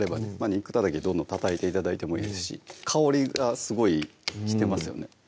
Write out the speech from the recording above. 肉たたきでドンドンたたいて頂いてもいいですし香りがすごいしてますよね